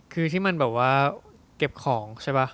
คือที่มันแบบว่าเก็บของใช่ป่ะ